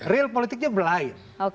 real politiknya berlain